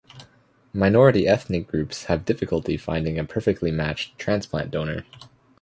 Minority ethnic groups have difficulty finding a perfectly matched transplant donor.